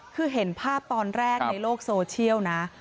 คือเห็นภาพตอนแรกในโลกโซเชียลนะ